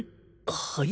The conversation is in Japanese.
はい？